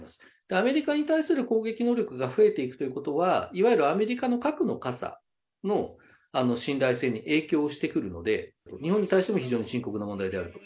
アメリカに対する攻撃能力が増えていくということは、いわゆるアメリカの核の傘の信頼性に影響してくるので、日本に対しても非常に深刻な問題であると。